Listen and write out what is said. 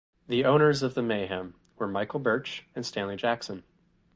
The Owners of the Mayhem were Michael Burtch and Stanley Jackson.